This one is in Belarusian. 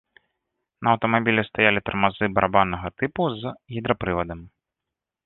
На аўтамабілі стаялі тармазы барабаннага тыпу з гідрапрывадам.